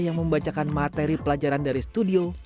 yang membacakan materi pelajaran dari studio